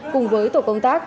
cùng với tổ công tác